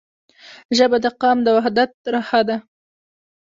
ژبه د قام د وحدت رښه ده.